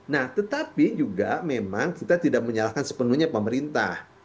nah tetapi juga memang kita tidak menyalahkan sepenuhnya pemerintah